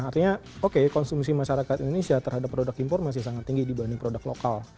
artinya oke konsumsi masyarakat indonesia terhadap produk impor masih sangat tinggi dibanding produk lokal